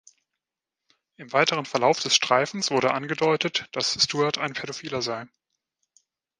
Im weiteren Verlauf des Streifens wurde angedeutet, dass Stewart ein Pädophiler sei.